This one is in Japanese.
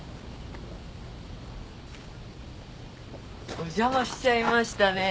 お邪魔しちゃいましたねえ。